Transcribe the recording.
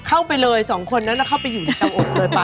เข้าไปเลยสองคนนั้นเข้าไปอยู่ในตำบลเลยป่